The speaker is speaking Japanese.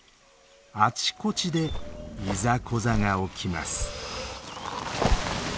あちこちでいざこざが起きます。